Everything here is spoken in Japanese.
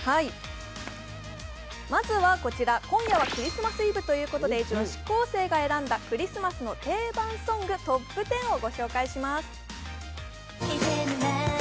まずは、今夜はクリスマスイブということで「女子高生が選んだクリスマスの定番ソングＴＯＰ１０」をご紹介します。